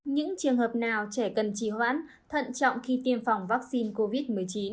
những trường hợp nào trẻ cần trì hoãn thận trọng khi tiêm phòng vaccine covid một mươi chín